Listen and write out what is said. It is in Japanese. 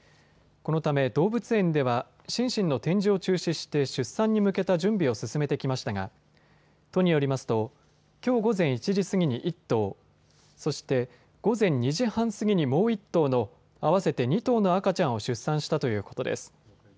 このため動物園ではシンシンの展示を中止して出産に向けた準備を進めてきましたが都によりますときょう午前１時過ぎに１頭、そして午前２時半過ぎにもう１頭の合わせて２頭の赤ちゃんを出産したということです。